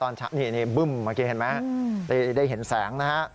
นี่บึ้มเห็นไหมได้เห็นแสง